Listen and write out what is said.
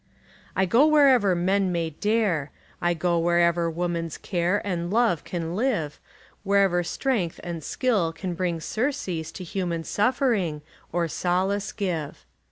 I go wherever men may dare, I go wherever woman's care And love can live, Wherever strength and skill can bring Surcease to human suffering, Or solace give.